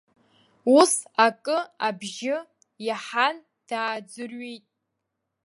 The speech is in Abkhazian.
Ус, акы абжьы иаҳан, дааӡырҩит.